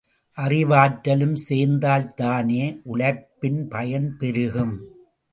அறிவாற்றலும் சேர்த்தால்தானே உழைப்பின் பயன் பெருகும்?